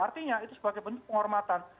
artinya itu sebagai bentuk penghormatan